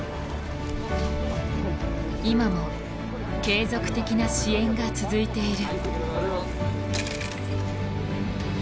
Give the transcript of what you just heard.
今も継続的な支援が続いている。